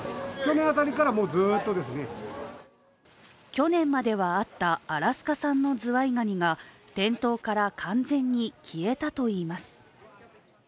去年まではあったアラスカ産のズワイガニが店頭から完全に消えたといいます。